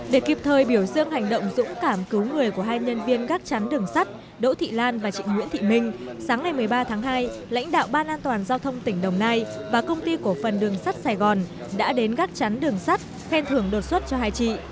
để kịp thời biểu dương hành động dũng cảm cứu người của hai nhân viên gác chắn đường sắt đỗ thị lan và chị nguyễn thị minh sáng ngày một mươi ba tháng hai lãnh đạo ban an toàn giao thông tỉnh đồng nai và công ty cổ phần đường sắt sài gòn đã đến gác chắn đường sắt khen thưởng đột xuất cho hai chị